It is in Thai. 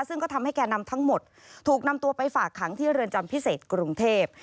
ซึ่งก็ทำให้แก่นำทั้งหมดถูกนำตัวไปฝากขังที่เรือนจำพิเศษกรุงเทพ